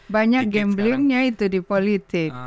banyak gamblingnya itu di politik